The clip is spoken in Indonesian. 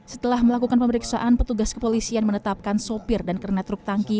setelah melakukan pemeriksaan petugas kepolisian menetapkan sopir dan kernet truk tangki